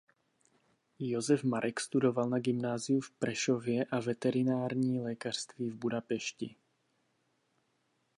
Josef Marek studoval na gymnáziu v Prešově a veterinární lékařství v Budapešti.